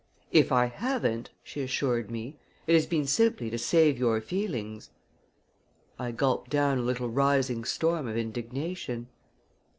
"If I haven't," she assured me, "it has been simply to save your feelings." I gulped down a little rising storm of indignation.